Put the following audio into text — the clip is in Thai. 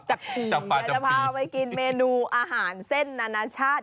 เดี๋ยวจะพาไปกินเมนูอาหารเส้นนานาชาติ